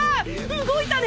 動いたね